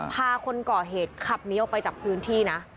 คนก่อเหตุขับหนีออกไปจากพื้นที่นะ